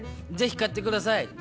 ぜひ買ってください。